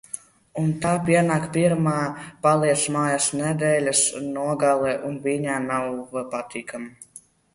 Un tā pienāk pirmā "paliec mājās" nedēļas nogale un viņa nav patīkama.